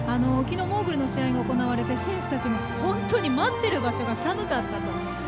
きのうモーグルの試合が行われて選手たちも本当に待っている場所が寒かったと。